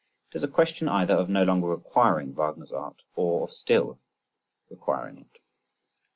It is a question either of no longer requiring Wagner's art, or of still requiring it.